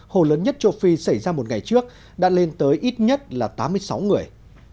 hồ lớn nhất châu phi xảy ra một ngày trước đã lên tới ít nhất là tám mươi sáu người